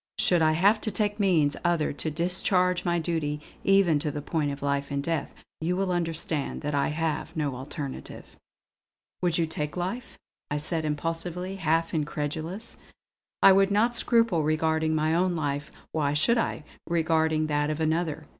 Should I have to take means other to discharge my duty, even to the point of life and death, you will understand that I have no alternative." "Would you take life?" I said impulsively, half incredulous. "I would not scruple regarding my own life; why should I, regarding that of another?"